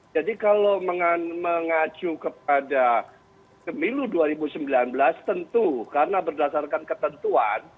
jadi kalau mengacu kepada pemilu dua ribu sembilan belas tentu karena berdasarkan ketentuan